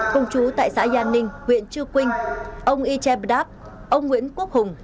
công chú tại xã yà ninh huyện chu quynh ông y cheb dap ông nguyễn quốc hùng